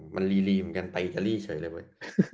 มันลีเหมือนกันไปอิตาลีเฉยเลยเว้ย